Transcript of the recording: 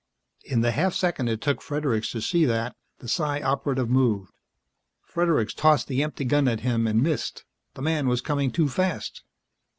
In the half second it took Fredericks to see that, the Psi Operative moved. Fredericks tossed the empty gun at him and missed; the man was coming too fast.